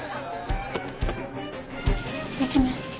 いじめ。